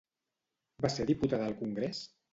Va ser diputada al Congrés?